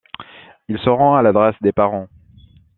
Il se rend à l'adresse des parents.